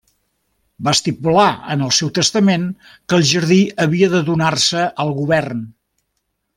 Va estipular en el seu testament que el jardí havia de donar-se al govern.